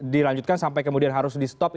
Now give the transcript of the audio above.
dilanjutkan sampai kemudian harus di stop